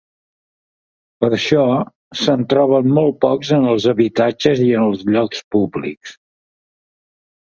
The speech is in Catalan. Per això, se'n troben molt pocs en els habitatges i en els llocs públics.